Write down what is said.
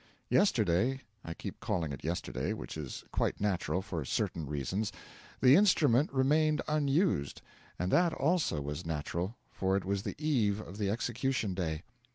Yesterday I keep calling it yesterday, which is quite natural, for certain reasons the instrument remained unused, and that also was natural, for it was the eve of the execution day.